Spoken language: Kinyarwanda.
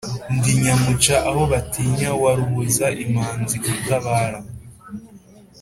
ndi nyamuca aho batinya wa rubuza imanzi gutabara,